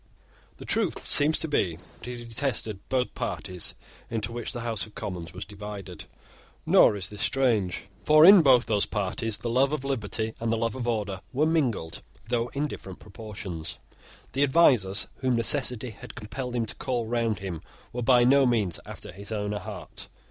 The truth seems to be that he detested both the parties into which the House of Commons was divided: nor is this strange; for in both those parties the love of liberty and the love of order were mingled, though in different proportions. The advisers whom necessity had compelled him to call round him were by no means after his own heart.